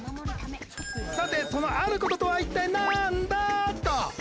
さてその「あること」とは一体なんだ？っと。